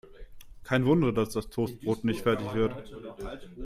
Kein Wunder, dass das Toastbrot nicht fertig wird.